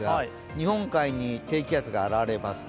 日本海に低気圧が現れます。